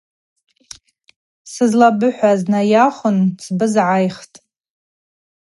Сызлайыхӏваз найахвын сбызгӏайхтӏ.